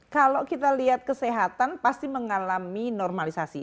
kalau kita lihat kesehatan pasti mengalami normalisasi